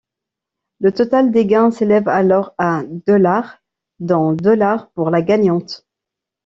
Le total des gains s'élève alors à dollars dont dollars pour la gagnante.